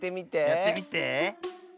やってみて。